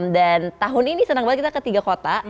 dan tahun ini senang banget kita ke tiga kota